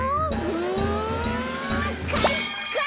うんかいか！